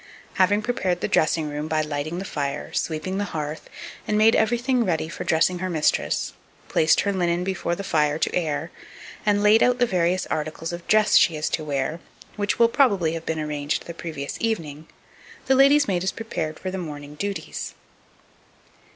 2247. Having prepared the dressing room by lighting the fire, sweeping the hearth, and made everything ready for dressing her mistress, placed her linen before the fire to air, and laid out the various articles of dress she is to wear, which will probably have been arranged the previous evening, the lady's maid is prepared for the morning's duties.